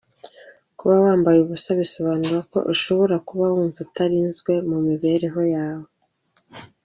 Kuba wambaye ubusa bisobanura ko ushobora kuba wumva utarinzwe mu mibereho yawe.